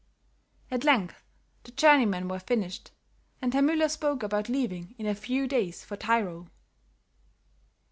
At length the journeymen were finished, and Herr Müller spoke about leaving in a few days for Tyrol.